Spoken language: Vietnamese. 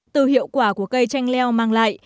từ hiệu quả của cây tranh leo mang lại